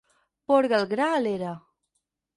Porga el gra a l'era.